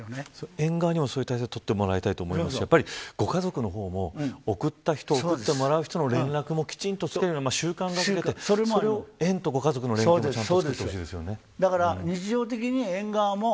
園側にもそういう体制をとってもらいたいと思いますしご家族の方も、送った人送ってもらう人との連絡もきちんとするように習慣づけてそれで園とご家族の連携もちゃんとつくってほしいですね。